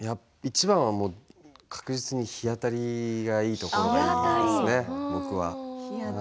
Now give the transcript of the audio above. いちばんは確実に日当たりがいいところですね、僕は。